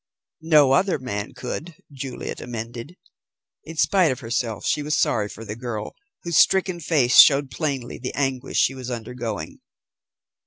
"No other man could," Juliet amended. In spite of herself she was sorry for the girl, whose stricken face showed plainly the anguish she was undergoing.